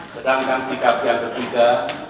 sedangkan sikap yang ketiga